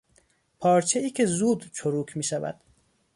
پارچهای که زود چروک میشود